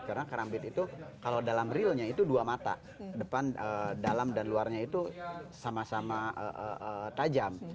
karena karambit itu kalau dalam realnya itu dua mata depan dalam dan luarnya itu sama sama tajam